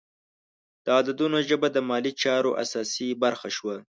د عددونو ژبه د مالي چارو اساسي برخه شوه.